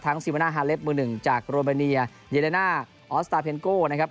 ทั้งซิมานาฮาเลฟมึงหนึ่งจากโรแมเนียเยเลน่าออสตาเพ็นโก้นะครับ